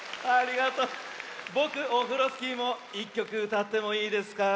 ぼくオフロスキーも１きょくうたってもいいですか？